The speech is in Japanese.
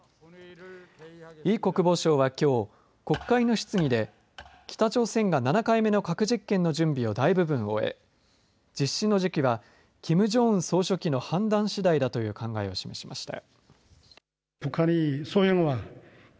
イ国防相は、きょう国会の質疑で北朝鮮が７回目の核実験の準備を大部分終え実施の時期はキム・ジョンウン総書記の判断しだいだという考えを示しました。